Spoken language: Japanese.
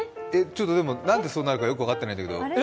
でも何でそうなるかよく分かってないんだけど。